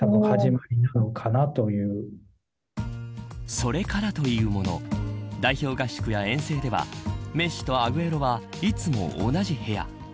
それからというもの代表合宿や遠征ではメッシとアグエロはいつも同じ部屋。